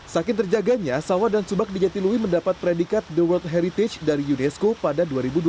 saking terjaganya sawah dan subak di jatilui mendapat predikat the world heritage dari unesco pada dua ribu dua puluh